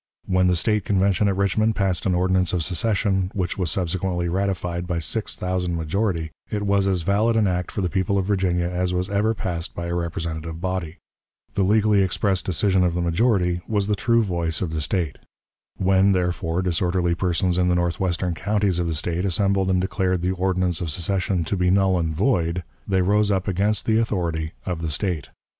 When the State Convention at Richmond passed an ordinance of secession, which was subsequently ratified by sixty thousand majority, it was as valid an act for the people of Virginia as was ever passed by a representative body. The legally expressed decision of the majority was the true voice of the State. When, therefore, disorderly persons in the northwestern counties of the State assembled and declared the ordinance of secession "to be null and void," they rose up against the authority of the State.